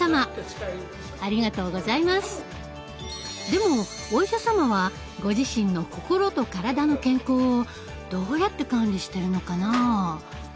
でもお医者様はご自身の心と体の健康をどうやって管理してるのかな？